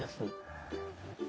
へえ。